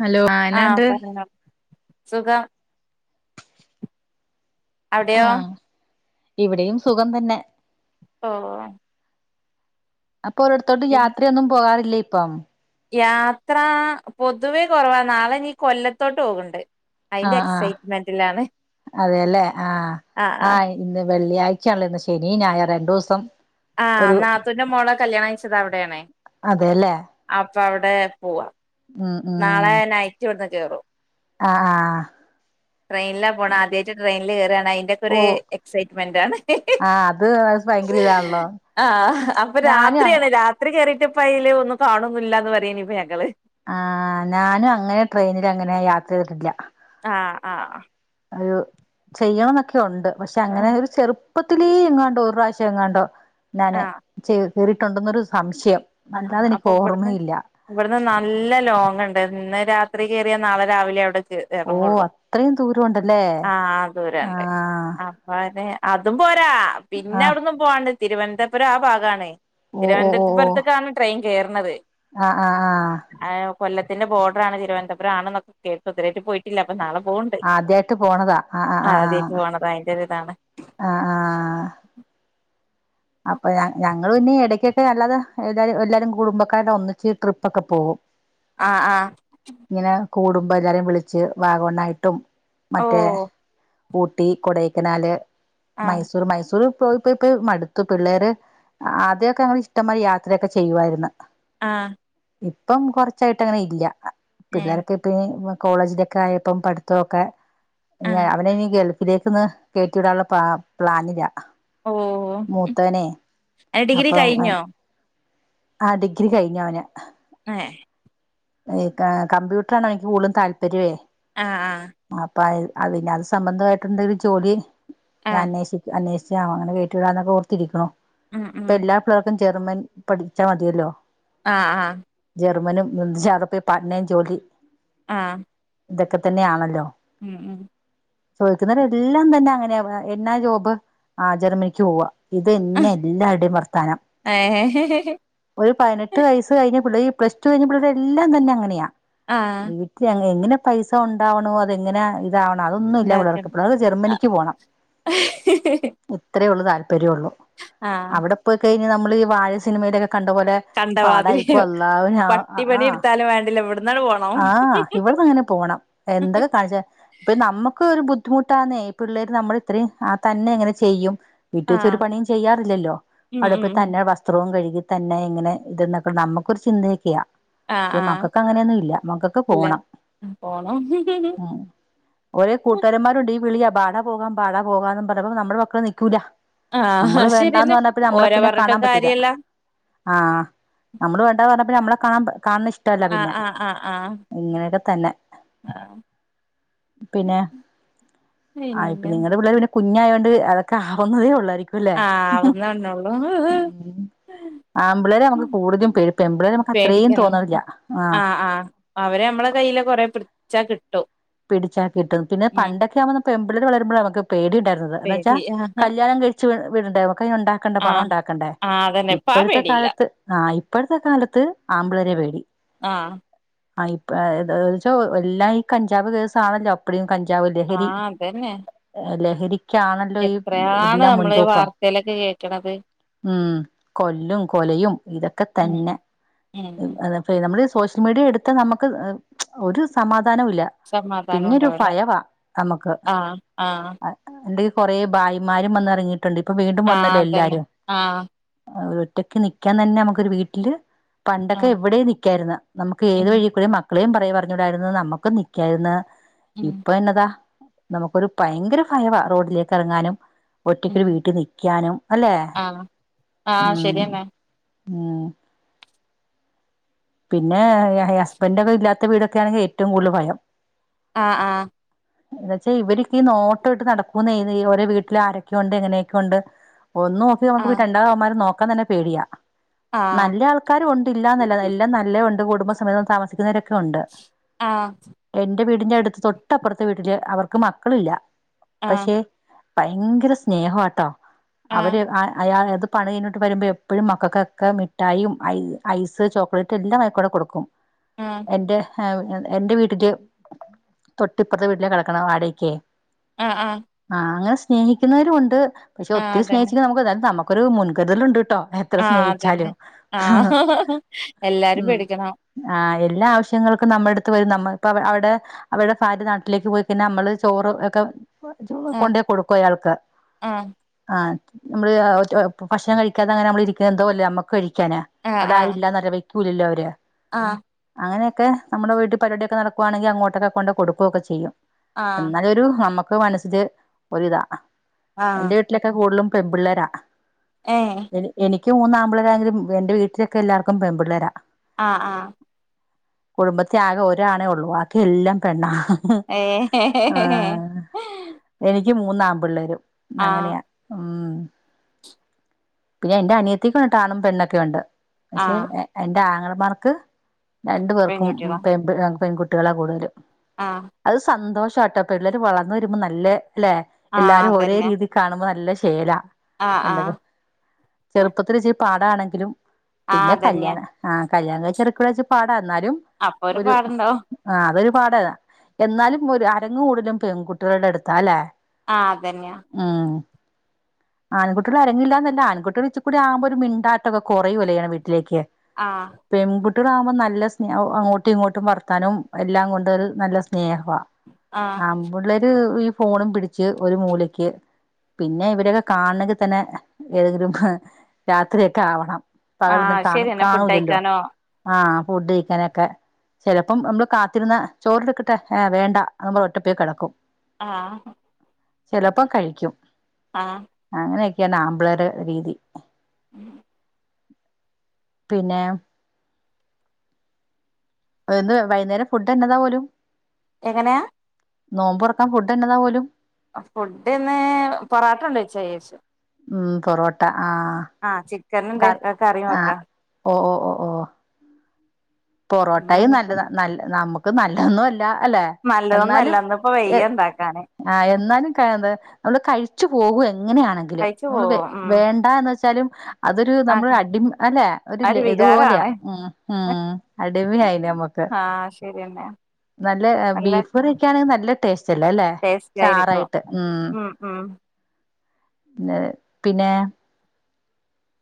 Hello ആഹ് ആനണ്ട് പറഞ്ഞോ സുഖം അവിടെയൊ ആഹ് ഇവിടെയും സുഖം തന്നെ ഓ ഓ അപ്പൊ ഒര [unintelligible] ത്തോട്ട് യാത്രയൊന്നും പോകാറില്ലേ ഇപ്പം. യാത്ര പൊതുവേ കൊറവാ നാളെ ഇനി കൊല്ലത്തോട്ട് പോക്ണ്ട് അയിന്റെ ആഹ്ആഹ് എക്സൈറ്റ്മെന്റിലാണ് അതെല്ലേ ആഹ് ആഹ് ഇന്ന് വെള്ളിയഴ് ച്ചയാണല്ല് ശനീ ഞായർ രണ്ടൂസം ആഹ് നാത്തൂന്റെ മോളെ കല്യാണംകഴിച്ചത് അവിടെയാണെ അതെല്ലേ അപ്പ അവിടെ പോവാ ഉം നാളെ ഉം നൈറ്റ് ഇവിട്ന്ന് കേറും ആഹ് ആഹ് ട്രെയിനിലാ പോണെ ആദ്യയിട്ട് ട്രെയിനില് കയറാണ് അതിന്റെക്കെ ഓ ഒരു എക്സൈറ്റ്മെന്റ് ആണ് ആഹ് അത് ഭയങ്കര ഇതാണല്ലോ ആഹ് അപ്പൊ ഞാനും രാത്രിയാണ് രാത്രി കേറി പ്പായില് ഒന്നും കാണുന്നില്ലാന്ന് പറയാനിപ്പൊ ഞങ്ങള് ആ നാനും അങ്ങനെ ട്രെയിനൽ അങ്ങനെ യാത്ര ചെയ്തിട്ടില്ല ആഹ് ആ ഒരു ചെയ്യുന്നൊക്കെ ഉണ്ട് പക്ഷെ അങ്ങനെ ആഹ് ഒരു ചെറു പ്പത്തിലേ എങ്ങാണ്ടോഒരു പ്രാവശ്യം എങ്ങാണ്ടോ നാന് ജി കേറിയിട്ടുണ്ടെന്നൊരു സംശയം ആ അല്ലാതെ എനിക്ക് അപ്പൊ ഇവിടുന്ന് ഓർമ്മയില്ല ഇവിടുന്ന് ന നല്ല ലോങ്ണ്ട് ഇന്ന് രാത്രി കയറിയാ നാളെ രാവിലെ അവിടെത്ത് ഓ ഇറങ്ങുള്ളൂ അത്രയും ദൂരം ഉണ്ടല്ലേ ആ ദൂരണ്ട് ആഹ് അപ്പ അതെ അതും പോരാ പിന്നെ ആഹ് അവിടന്നും പോവാണ്ട് തിരുവനന്തപുരം ആ ഭാഗമാണ് തിരുവനന്തപുരത്തിപറ ട്രയിൻ കേർണത് ആ ആ ആ കൊല്ലത്തിന്റെ ബോഡറാണ് തിരുവനന്തുരം ആണെന്നൊക്കെ കേട്ടു ഇതുരെയാട്ടും പോയിട്ടില്ല അപ്പോ നാളെ പോവണ്ട് ആദ്യായിട്ട് പോണതാ ആ ആ ആ ആദ്യായിട്ട് പോണത് അതിന്റെ ഒരിതാണ് ആ ആ ആ അപ്പൊ ഞ ഞങ്ങൾ പിന്നെ ഇടക്കൊക്കെ അല്ലാതെ എല്ലാരും എല്ലാരും കുടുംബക്കാരടെ ഒന്നിച്ച് ട്രിപ്പോക്കെ പോകും ആ ആ കൂടുംമ്പോ എല്ലാരേം വിളിച്ച് വാഗമണ്ണായിട്ടും ഓ മറ്റേ ഊട്ടി കൊടൈക്കനാല് ആഹ് മൈസൂർ മൈസൂർ പോയിപ്പോയിപ്പോയി മടുത്ത് ത്തു പിള്ളേര് ആദ്യമൊക്കെ ഞങ്ങൾ ഇഷ്ടംമായി യാത്രയൊക്കെ ചെയ്യുവാരുന്ന് ആ ഇപ്പം കൊറച്ചായിട്ട് അങ്ങനെ ഇല്ല ഏഹ് പിള്ളേർക്കെ ഇപ്പ ഇനി വ കോളേജിലൊക്കെ ആയപ്പം പഠിത്തൊക്കെ ഇനി ആഹ് അവനെ ഇനി ഗൾഫി ഇതേക്കന്ന് കേറ്റിവിടാനുള്ള പ്ലാ പ്ലാനില്ലാ ഓ ഡിഗ്രി അപ്പം കഴിഞ്ഞോ ആ ഡിഗ്രി കഴിഞ്ഞഅവന് ഏ ഈ ക കമ്പ്യൂട്ടറാണ് അയാക്ക് കൂടുതലും താല്പര്യമേ അ ആ അപിന്നെ അത് സംബന്ധമായിട്ടേന്തെലും ജോലി ഞാൻ ആഹ് അന്വേഷിക്ക അന്വേഷ ക്ഷേ അങ്ങനെ കേറ്റിവിടാന്നൊക്കെ ഓത്തിരിക്കുണു ഉം ഉം ഇപ്പൊ എല്ലാ പിള്ളേർക്കും ജെർമെൻ പഠിച്ചാൽ മതിയല്ലോ ആ ആ ജെർമനും മുൻസി യർ പ്പി പട്നയും ജോലി ആ ഇതൊക്കെ തന്നെയാണല്ലോ ഉം ഉം ചോദിക്കുന്നവരെല്ലാം തന്നെ അങ്ങനെ എന്നാ ജോബ് ആ ജർമ്മനിക്ക് പോവാ ഇത്ന്നേ എല്ലാരടേം വർത്താനം ഏഹ് ഒരു പതിനെട്ട് വയസ് കഴിഞ്ഞ പ്ലസ്ടു കഴിഞ്ഞ പിള്ളേരെല്ലാം തന്നെ അങ്ങനെയാ ആഹ് വീട്ടിൽ അങ്ങ് എങ്ങന പൈസ ഉണ്ടാവണോ അതെങ്ങനെയാ വണം അതൊന്നും ഇല്ല പിള്ളാർക്ക് ഇണ്ടാക്കണം. പിള്ളാർക്ക് ജർമ്മനിക്ക് പോണം ഇത്രെഉള്ളതാനും തരുള്ളൂ ആഹ് അവിടെ പോയി കഴിഞ്ഞ നമ്മള് ഈ വാഴ സിനിമയുടെക്ക കണ്ടപോലെ കണ്ടമാതിരി പാടായിരിക്കും അല്ലാഹു ൻ ആ ആ പട്ടി ആ പണി എടുത്താലും വേണ്ടില്ല ഇവിടന്നാണ്ട് പോണം. ആ ഇവിടന്നങ്ങനെ പോണം എന്തൊക്കെ കാണിച്ച ഇപ്പോരു നമ്മുക്ക് ഒരു ബുദ്ധിമുട്ടാന്ന ഇ പിള്ളേര് നമ്മൾ ഇത്രയും തന്നെ എങ്ങനെ ചെയ്യും വീട്ട വെച്ച ഒരു ആഹ് പണിയും ചെയ്യാറില്ലല്ലോ ഉം ഉം അവിടെപ്പ ഉം തന്നെ വസ്ത്രവും കഴുകി തന്നെ ഇങ്ങനെ ഇതൊക്കെ നമുക്കൊരു ചിന്തയക്കെയാ ആഹ് പെ ആഹ് മക്കൊക്ക അങ്ങനെയൊന്നും ഇല്ല മക്കൊക്ക്െ ഇല്ല പോണം പോണം. ഉം ഒര കൂട്ടുകാരന്മാരുണ്ട് ഈ വിളിയാ പാടാ പോകാം പാടാ പോകാം പറപ്പ നമ്മടെ മക്കള നിൽക്കൂല്ല ആഹ് നമ്മള് അത് വേണ്ടന്ന് ശരിയെന്നെ പറഞ്ഞപ്പ നമ്മളെ ഓരെ പിന്നെ കാണാൻ പറഞ്ഞിട്ടും പറ്റൂല കാര്യല്ല. ആ നമ്മള് വേണ്ട പറഞ്ഞപ്പ നമ്മളെ കാണാൻ കാണന്ന ഇഷ്ടല്ല ആഹ് പിന്നെ ഇങ്ങനെയൊക്കെ തന്നെ ആ പിന്നെ ആപ്പ പിന്നെ നിങ്ങളടെ പിള്ളേ പിന്നെ കുഞ്ഞ ആയോണ്ട് അതൊക്കെ ആവുന്നതേ ഉള്ളായിരിക്കും അല്ലേ ആ അവന്നണോള്ളൂ ആമ്പിളരെ നമുക്ക് കൂടുതും പേരുപ്പ എമ്പിളരെ നമുക്ക് അത്രയും ആ ആ അവരെ നമ്മള കയ്യില കൊറെ പിച്ച കിട്ട പിടിച്ചാക്കിട്ടു പിന്നെ പണ്ടൊെ ആവുമ്പ എമ്പിള വളരുമ്പോഴ നുക്ക് പേടി ഉണ്ടായിരുന്നത് എന്താവെച്ചാ പേടി കല്യാണം കഴിച്ചച്ച് വിടണ്ട നക്ക ഉണ്ടാക്കണ്ട ആഹ് പണം ഉണ്ടാക്കണ്ടേ ആഹ് അതന്നെ ഇപ്പ ആ ഇപ്പോഴത്തെ പേടിയില്ല കാലത്ത് ആ ഇപ്പോഴത്തെ കാലത്ത് ആമ്പിളരെ പേടി ആ ആ ഇ എല്ലാം ഈ കഞ്ചാബ് കേസാണല്ലോ അപ്പടും കഞ്ച ലഹരി ആഹ് അതന്നെ ല ക്കണല്ലോ ഈ എത്രയാണ് എല്ലാം നമ്മള് മുൻതോക്കം വാർത്തയിലൊക്കെ കേക്കണത് ഉം കൊല്ലും കൊലയും ഇതൊക്കെ ഉം തന്നെ ഉം നമ്മള് സോഷ്യൽ മീഡിയ എടുത്താൽ നമുക്ക് ഒരു സമാധാനം സമാധാനം പിന്നെരു ഉണ്ടാവില്ല ഫയവ നമുക്ക് ആഹ് ആഹ് എന്ത കൊറേ ഭായിമാരും വന്ന ഇറങ്ങിയിട്ടുണ്ട് ഇപ്പൊ വീണ്ടും ആഹ് വന്നല്ലോ അതന്നെ എല്ലാരും ആഹ് ഒറ്റക്കെ നൽക്കാൻ തന്നെ നമുക്കൊരു വീട്ടില് പണ്ടൊക്കെ ആഹ് എവിടെയും നിക്കായിരുന്ന നമുക്ക് ഏത് ഉം വഴി കൂടെ മക്കളെയും പറ പറഞ്ഞൂടായിന്ന് നമ്മുക്ക് നിക്കായിന്ന് ഉം ഇപ്പൊ എന്നതാ നമുക്കൊരു ഭയങ്കര ഭയവ റോഡിലേക്ക് ഇറങ്ങാനും ഒറ്റക്കൊരു ഉം വീട്ടിൽ നിക്കാനും അല്ലെ ആഹ് ആഹ് ഉം ശരിയെന്നെ ആ പിന്നെ ഹസ്ബൻഡ് ഒക്കെ ഇല്ലാത്ത വീടൊക്കെ ആണെങ്കിൽ ഏറ്റവും കൂടുതൽ ഭയം ആ ആ എന്ന വച്ചാൽ ഇവരക്ക നോട്ടോട്ട് നടക്കൂ ചെയ ഓരോ വീട്ടില് ആരൊക്കെയ ഉണ്ട് എങ്ങനെയൊക്കെയെ ഉണ്ട് ഒന്നും ഓക്കി നമുക്ക് രണ്ടാന്മാരും നോക്കാൻ തന്നെ പേടിയാ ആഹ് നല്ല ആൾക്കാരും ഉണ്ടല്ലാന്നല്ല എല്ലാം നല്ലത ഉണ്ട് കുടുംബ സമയത്ത് താമസിക്കുന്നവരൊക്കെ ഉണ്ട് ആഹ് എന്റെ വീടിന്റെ അടുത്ത് തൊട്ടപ്പുറത്തെ വീട്ടില് അവർ മക്കളില്ല ആഹ് പക്ഷെ ഭയങ്കര സ്നേഹട്ടോ അവര് ആഹ് അയാത് പണി കഴിഞ്ഞിട്ട് വരുമ്പോ എപ്പോഴും മക്കൾക്കൊക്കെ മിഠായും ഐസ് ചോക്ലേറ്റ് എല്ലാം ആയിക്കോടെ കൊടുക്കും ആഹ് ആഹ് എന്റെ എൻന്റെ വീട്ടന്റെ തൊട്ട്പ്പുറത്തെ വീട്ടിലേ കിടക്കണം വാടക്കേ ആഹ് ആഹ് ആഹ് ആഹ അങ്ങനെ സ്നേഹിക്കുന്നവരു ഉണ്ട് പക്ഷെ ഒത്തിരി അതന്നെ സ്നേഹിച്ചിക്ക നമുക്ക് എതായാലും തമ ഒരു മുൻകരുതലണ്ട് കേട്ടോ ആ അതന്നെ ആ എല്ലാരും പേടിക്കണം ആ എല്ലാ ആവശ്യങ്ങൾക്കും നമ്മുടെ അടുത്ത് വരും നമ്മ ഇ അവിടെ അവിടെ ഭാര് നാട്ടിലേക്ക് പോയിക്കന്ന നമ്മള് ചോറ് ഒക്കെ ആഹ് കൊണ്ടോയി കൊടുക്കും അയാൾക്ക് ആഹ് ആഹ നമ്മള് ഭക്ഷണം കഴിക്കാതങ്ങനെ നമ്മള ഇരിക്കുന്നത് എന്തോല്ല നമ്മക്ക് കഴിക്കാന് അവിടെ ആരും ഇല്ല കുലല്ലോ അവര് ആ അങ്ങനെയക്കെ നമ്മുടെ വീട്ട പരിപടിയോക്കുകയാണെങ്കിൽങ്ങോട്ടൊക്കെ കൊക്കുകയക്കെ ചെയ്യും ആഹ് എന്നാല ഒരു നമ്മുക്ക് മനസ്സില് ഒരിതാ എന്റെ ആഹ് വീട്ടിലൊക്കെ കൂടുതലും പെൺപിള്ളാരാ. ഏഹ് എനിക്ക് മൂന്നാമ്പളരാങ്കിലും എന്റെ വീട്ടിലൊക്കെ എല്ലാവർക്കും പെൺപിള്ളാരാ ആ ആ കുടുംബത്തിൽ ആകെ ഒരാണേ ഉള്ളൂ ബാക്കിയെല്ലാം പെണ്ണാ ഏ ആ എനിക്ക് എനിക്ക് മൂന്നാമ്പിള്ളേരും, ആഹ് അങ്ങനെയാ ഉം പിന്നെ എന്റെ അനിയത്തിക്കായിട്ട് ആണും പെണ്ണൊക്കെയുണ്ട്. പക്ഷെ ആഹ് എ ന്റെ ആംഗളമാർക്ക് രണ്ടു പേർക്കും പെൺകുട്ടികളാ പെൺപിള്ളാ പെൺകുട്ടികളാ കൂടുതലും. ആഹ് അത് സന്തോഷവാട്ടോ. പിള്ളേർ വളർന്ന് വരുമ്പോ നല്ല അല്ലെ ആഹ് എല്ലാരും ഒരേ അതന്നെ രീതി കാണുമ്പോ നല്ല ശേലാ ആഹ് ആഹ് എന്തൊക്കെ ചെറുപ്പത്തിലിച്ചിരി പാടാണെങ്കിലും ആഹ് ധന്യ ആഹ് കല്യാണം കഴിച്ചിറക്കിവിടാച്ചാ പാടാ ന്നാലും അപ്പൊ ഒരു പാടുണ്ടാവും ആ അതൊരു പാടല എന്നാലും ഒരു അരങ്ങ് കൂടുതലും പെൺകുട്ടികളുടെ അടുത്താ അല്ലേ? ആഹ് അതന്നെയാ ആഹ് ആൻക്കുട്ട്യള് അരങ്ങില്ലാന്നല്ല, ആൺകുട്ടികളിച്ചിക്കൂടി ആവുമ്പോ ഒരു മിണ്ടാട്ടൊക്കെ കുറയുല്ലെ ങ്ങെനെ വീട്ടിലേക്ക്. ആഹ് ട്ട്യകളാഉമ്പോ നല്ല സ്നേഹഉ അങ്ങോട്ടു ഇങ്ങോട്ടു വർത്താനും എല്ലാം കൊണ്ട് ഒരു നല്ല സ്നേഹം. വാ ആഹ് ആൺപിള്ളേരു ഈ ഫോണും പിടിച്ച് ഒരു മൂലക്ക് പിന്നെ ഇവരൊക്കെ കാൺണങ്കി തന്നെ ഏതെങ്കിലും ഹ രാത്രിയൊക്കെയാവണം. പകലൊന്നും ആഹ് കാണ് ശരിയെന്നെ ഫുഡ് കാണൂല്ലല്ലോ. കഴിക്കാനോ ആഹ് ഫുഡ് കഴിക്കാനൊക്കെ ചിലപ്പം നമ്മള് കാത്തിരുന്നാ ചോറെടുക്കട്ടെ, എ വേണ്ട നമ്മൾ ഒറ്റപ്പായി കിടക്കും. ആഹ് ചിലപ്പോ കഴിക്കും. ആഹ് അങ്ങനെയൊക്കെയാണ് ആമ്പിള്ളാരെ രീതി പിന്നേ ന്ന് വൈകുന്നേരം ഫുഡ് എന്നതാ പോലും? എങ്ങനെയാ? നോമ്പുറക്കാൻ ഫുഡ് എന്നതാ പോലും? ഫുഡിന്ന് പൊറോട്ട ഉണ്ട് ഉച്ചയ്യിശേഷം [unintelligible] ഉം പൊറോട്ട ആഹ് ആഹ് ചിക്കൻ ഉണ്ടെ പ്പ കറി വെക്കാം ഓ ഓ ഓ ഓ ആ പൊറോട്ടയും ഇന്നിനിപ്പോ നല്ലത നല്ല നമുക്ക് നല്ലതൊന്നും അല്ല. ലല്ലെ നല്ലതൊന്നും അല്ല എന്നാലും ഇന്നിപ്പോ എ വയ്യ ഇണ്ടാക്കാന് എന്നാലും ക [unintelligible] തോന്നു കഴിച്ചു പോകും എങ്ങനെയാണെങ്കിലും കഴിച്ചു നമ്മള് പോകും ഉം വേണ്ട യെന്ന് വെച്ചാലും അതൊരു നമ്മള് ആഹ് അടിമ് അല്ലെ ഒരു ലെ ഇതുപോലെയാ ഉം ഉം ടിമെയായില്ലേ നമ്മക്ക് ആഹ് ശരിയെന്നെ നല്ല നല്ല ബീഫ്കറിയൊക്കെ ആണെങ്കിൽ നല്ല ടേസ്റ്റ്ല്ലേ അല്ലേ ടേസ്റ്റ് ആയിരിക്കും ചാറായിട്ട് ഉം- [unintelligible] ന്ന് പിന്നേ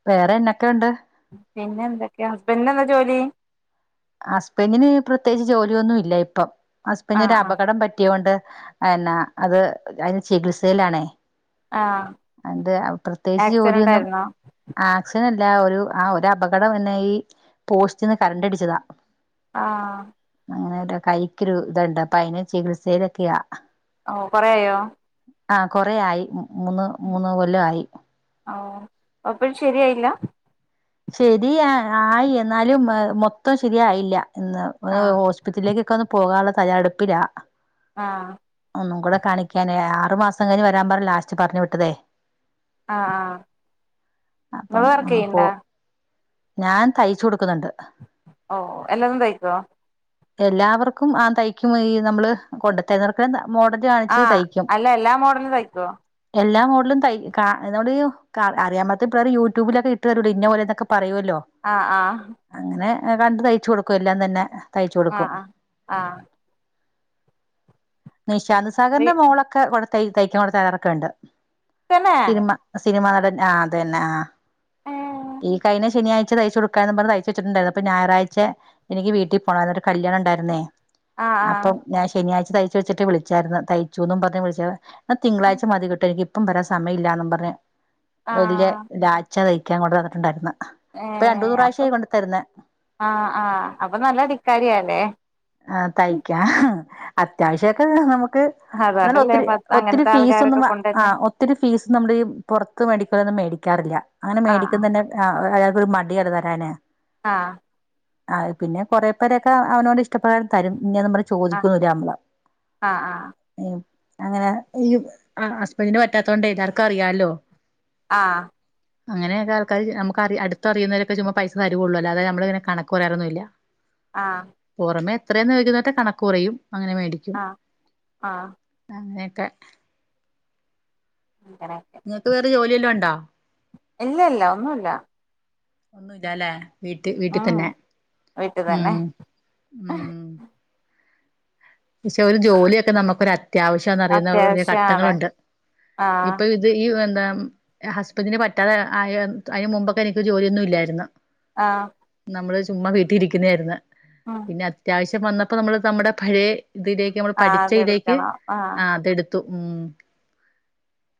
വേറേന്നക്കെയുണ്ട്? പിന്നെ എന്തൊക്കെയാ? ഹസ്ബൻഡിന് എന്താ ജോലി? ഹസ്ബൻറിന് പ്രത്യേകിച്ച് ജോലിയൊന്നും ഇല്ല ഇപ്പം, ഹസ്ബൻഡിന് ഒരു ആഹ് ആഹ് അപകടം പറ്റിയ കൊണ്ട് അയെന്നാ അത് അതിന് ചികിത്സയിലാണേ ആഹ് എന്ത് പ്രത്യേകിച്ച് ആക്സിഡന്റ് ജോലിയൊന്നും ആയിരുന്നോ ആക്സിഡന്റ് ല്ല രു ആ ഒരു അപകടം എന്നെ ഈ പോസ്റ്റീന്ന് കരണ്ടടിച്ചതാ. ആഹ് അങ്ങനൊര് കൈക്കൊരുയിതുണ്ട് അപ്പൊ അതിന് ചികിത്സയിലൊക്കെയാ ഓ കൊറെയായോ? ആഹ് കൊറെയായി മൂന്ന് മൂന്ന് കൊല്ലാ യി ഓ അപ്പഴും ശരിയായില്ല ശരിയ ആയി എന്നാലും മൊത്തം ശരി ആയില്ല ന്ന് ഒ ആഹ് ഹോസ്പിറ്റലിലേക്കൊക്കെ ഒന്ന് പോകാനുള്ള തയ്യാറെടുപ്പിലാ ആഹ് ഒന്നും കൂടെ കാണിക്കാനേയ [unintelligible] റു മാസം കഴിഞ്ഞഞ് വരാൻ പറഞ്ഞ ലാസ്റ്റ് പറഞ്ഞു വിട്ടതേ ആഹ് ആഹ് ഇങ്ങൾ അപ്പം ഒന്ന്പ്പോ വർക്കെയ്യ്ണ്ടാ? ഞാൻ തയ്ച്ച് കൊടു ഓഹ് എല്ലതും തയ്ക്കോ? എല്ലാവർക്കും ആ തയ്ക്കും ഈ നമ്മള് കൊണ്ട് തരുന്നവർക് ആഹ് അല്ല എല്ലാ മോഡലും തയ്ക്കുവോ? എല്ലാ മോഡലും തൈ കാ [unintelligible] അറിയാമ്പത്തേ പേർ യൂട്യൂബിലൊക്കെ ഇട്ട് തരുലൊ ഇന്ന പോലെന്നൊക്കെ പറയു ല്ലോ. ആഹ് ആഹ് അങ്ങനെ കണ്ട് തയ്ച്ചു കൊടുക്കു എല്ലാം തന്നെ. തയ്ച്ചു കൊടുക്കും ആഹ് ആഹ് ആഹ് ഫ്രീ നിശാന്തസാഗറിന്റെ മോളൊക്കെ ഇവിടെ തയ് തയ്ക്കാവിടെ തരാറൊക്കെണ്ട്. തന്നെ സിനിമ സ് സിനിമാ നടൻ ആഹ് അതന്നെ ആഹ് ഏഹ് ഈ കഴിഞ്ഞ ശനിയാഴ്ച തയ്ച്ച കൊടുക്കാ എന്ന് പറഞ് തയ്ച്ചെച്ചിട്ടുണ്ടായിരുന്നു. അപ്പ ഞായറഴ്ച എനിക്ക് വീട്ടിൽ പോണായിരുന്നു ഒരു കല്യാണം ഉണ്ടായിരുന്നെ. ആഹ് അപ്പം ഞാൻ ശനിയാഴ്ച തയ്ച്ചു വെച്ചിട്ട് വിളിച്ചായിരുന്നു. തയ്ചൂന്നു പർഞ് വിളിച്ചപ എന്ന ആഹ് തിങ്കളാഴ്ച മതി കിട്ടു എനിക്ക് ഇപ്പം വരാ സമയമില്ലാന്ന് പറഞ്ഞ് വല്യ ആഹ് ലാച്ചതയ് ക്കാൻ കൊണ്ട് തന്നിട്ടുണ്ടായിരുന്ന്. ഏഹ് അപ്പം ആഹ് ആഹ് അപ്പൊ നല്ല അടിക്കാരിയാല്ലേ. ആഹ് തയ്ക്കാൻ. അത്യാവശ്യൊക്കെ നമുക്ക് എന്നാലും അതുകൊണ്ടല്ലേ ഒത്തിരി പത്ത് ഒത്തിരി അങ്ങനത്തെ ഫീസൊന്നും ആൾക്കാരൊക്കെ കൊണ്ടുവരുന്നെ ആഹ് ഒത്തിരി ഫീസ് നമ്മൾ ഈ പുറത്ത് മേടിക്കലന്ന് മേടി ക്കാറില്ല അങ്ങനെ ആഹ് ആഹ് മേടിക്കുന്നന്നെ അയാക്കൊരു മടിയാണ് തരാന് ആഹ് ആഹ് പിന്നെ കൊറെ പേരൊക്കെ അവനോന്റെ ഇഷ്ടപ്രകാരം തരും. ഇന്നെന്ന് പറഞ് ആഹ് ചോദിക്കൊന്നുല്ല ഞമ്മള്. ആഹ് അങ്ങനെ ഈ ആഹ് ഹസ്ബന്റിന് പറ്റാത്തോണ്ട് എല്ലാവർക്കും അറിയാലോ. ആ അങ്ങനെയൊക്കെ ആൾക്കാര് നമുക്ക് അ അടുത്തറിയുന്നവരൊക്കെ ചുമ്മ പൈസ തരുള്ളൂ അല്ലാതെ നമ്മള്ങ്ങനെ കണക്ക് പറയാറൊന്നുല്ല ആ പൊറമെ എത്രേന്ന് ചോദിക്കുന്നവരെട്ത്ത് കണക്ക് പറയും അങ്ങനെ മേടിക്കും ആഹ് ആഹ് ആഹ് അങ്ങനെ ക്കെ അങ്ങനെയൊക്കെ ങ്ങക്ക് വേറെ ജോലിയെല്ലുണ്ടോ ഇല്ല ല്ല ഒന്നുല്ല ഒന്നുല്ലല്ലേ വീട്ടി വീട്ടി ഉം തെന്നെ വീട്ടിൽ ഉം തന്നെ ഉം പക്ഷെ ഒരു ജോലിയൊക്കെ നമുക്കൊരു അത്യാവശ്യന്ന്റിയുന്നൊര് അത്യാവശ്യാണ് ഘട്ടങ്ങളുണ്ട് ആഹ് ഇപ്പൊ ഇത് ഇ വെന്താ ഉം ഹസ്ബന്റിന് പറ്റാതെ ആയ അയ്ന് മുമ്പൊക്കെ എനിക്ക് ജോലിയൊന്നും ഇല്ലാര്ന്നു ആഹ് നമ്മള് ചുമ്മാ വീട്ടി ഇരിക്കുന്നാര്ന്നു ഉം പിന്നെ അത്യാശ്യം ശ്യം വന്നപ്പോ നമ്മള് നമ്മുടെ പഴേ ഇതിലേക്ക് നമ്മള് ആഹ് പഠിച്ചയ്ലേക്ക് അതെടുക്കണം ആഹ് അതെട് ത്തു ഉം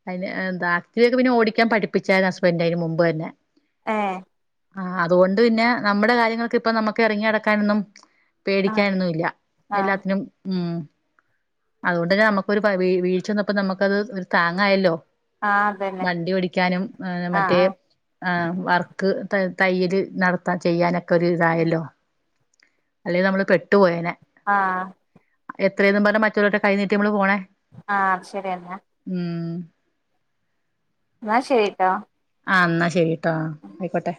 അതിന് ന്താ ആക്റ്റീവക്കെ പിന്നെ ഓടിക്കാൻ പഠിപ്പിച്ചായി ഹസ്ബൻഡറ് അതിന് മുമ്പ് തെന്നെ ഏ ആ അതോണ്ട് പിന്നെ നമ്മുടെ കാര്യങ്ങൾക്ക് ഇപ്പൊ നമ്മുക്ക് എറങ്ങി നടക്കാനൊന്നും ആഹ് പേടിക്കാനൊന്നുല്ല ആഹ് എല്ലാത്തിനും ഉം അതോണ്ടെന്നെ നമുക്ക് ഒരു വീഴ് വീഴ്ചന്നപ്പോ നമുക്കത് ഒരു താങ്ങായല്ലോ ആഹ് അതന്നെ വണ്ടി ഓടിക്കാനും ആഹ് മറ്റേ ആഹ് എ വർക്ക് ത തയ്യല് നടത്താൻ ചെയ്യാനൊക്കൊര്തായല്ലോ അല്ലെങ്കി നമ്മള് പെട്ടു പോയേനെ ആ എത്രേന്നും പറഞ മറ്റവരുടെ കൈ നീട്ടി നമ്മള് പോണേ ആ ശെരിയെന്നാ ഉം ന്നാ ശരിട്ടോ ആഹ് ഇന്നാ ശരിട്ടോ ആയിക്കോട്ടെ.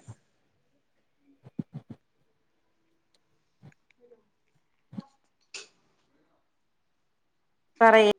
പറയ്